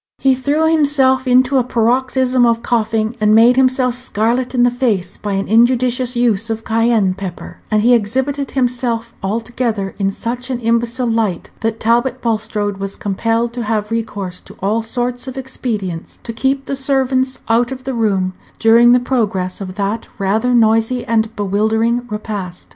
He threw himself into a paroxysm of coughing, and made himself scarlet in the face by an injudicious use of Cayenne pepper; and he exhibited himself altogether in such an imbecile light, that Talbot Bulstrode was compelled to have recourse to all sorts of expedients to keep the servants out of the room during the progress of that rather noisy and bewildering repast.